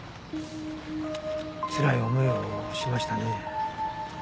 つらい思いをしましたね。